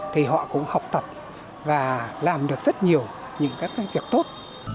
thì họ cũng học tập và làm được rất nhiều những các cái việc tốt